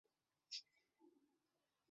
电信系统对使用不同的定义。